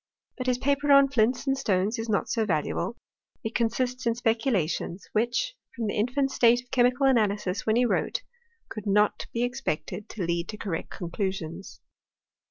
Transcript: But his paper on flints and stones is not so valuable ; it consists in speculations, which, from the infant state of chemical analysis when he wrote, could not be expected to lead to correct con clusions.